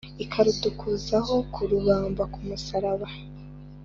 ikarudukuzaho kurubamba ku musaraba